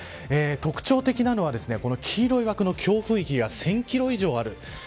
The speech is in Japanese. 特徴的なのは黄色い枠の強風域が１０００キロ以上ある。